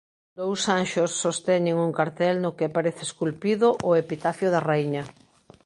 Dous anxos sosteñen un cartel no que aparece esculpido o epitafio da raíña.